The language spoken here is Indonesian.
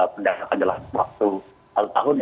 pendapatan jelas waktu hal tahun ya